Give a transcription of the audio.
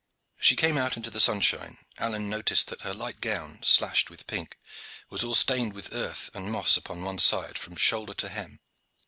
As she came out into the sunshine, Alleyne noticed that her light gown, slashed with pink, was all stained with earth and with moss upon one side from shoulder to hem.